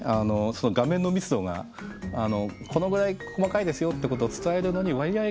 その画面の密度がこのぐらい細かいですよってことを伝えるのに割合